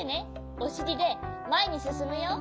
おしりでまえにすすむよ。